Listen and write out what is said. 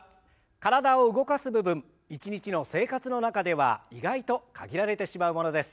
体を動かす部分一日の生活の中では意外と限られてしまうものです。